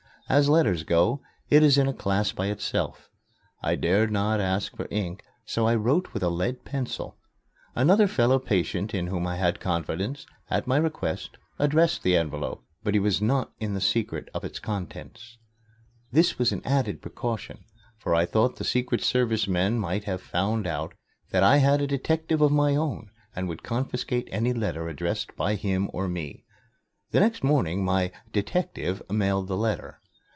As letters go, it is in a class by itself. I dared not ask for ink, so I wrote with a lead pencil. Another fellow patient in whom I had confidence, at my request, addressed the envelope; but he was not in the secret of its contents. This was an added precaution, for I thought the Secret Service men might have found out that I had a detective of my own and would confiscate any letters addressed by him or me. The next morning, my "detective" mailed the letter.